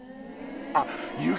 あっ！